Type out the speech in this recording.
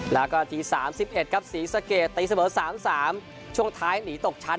แล้วก็ทีสามสิบเอ็ดครับศรีสะเกดตีเสมอสามสามช่วงท้ายหนีตกชั้น